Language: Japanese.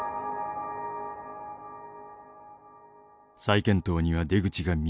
再検討には出口が見えなかった。